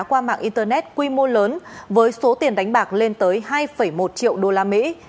qua mạng internet quy mô lớn với số tiền đánh bạc lên tới hai một triệu usd